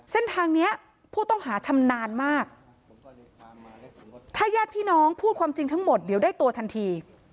เส้นทางเนี้ยผู้ต้องหาชำนาญมากถ้าญาติพี่น้องพูดความจริงทั้งหมดเดี๋ยวได้ตัวทันที